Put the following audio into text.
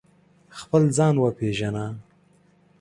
خپل ځان و پېژنه